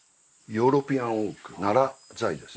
ヨーロピアンオークナラ材ですね。